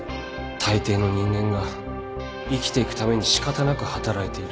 たいていの人間が生きていくために仕方なく働いている